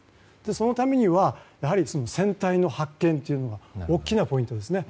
そのためには船体の発見が大きなポイントですね。